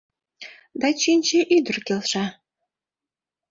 Да Чинче ӱдыр келша.